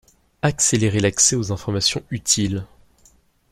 Accélérer l'accès aux informations utiles.